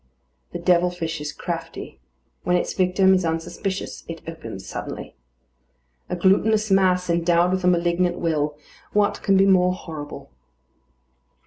The devil fish is crafty. When its victim is unsuspicious, it opens suddenly. A glutinous mass, endowed with a malignant will, what can be more horrible?